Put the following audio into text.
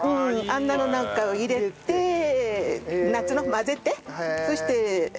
あんなのなんかを入れてなんつうの混ぜてそして。